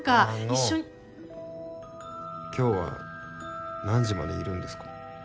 あの今日は何時までいるんですか？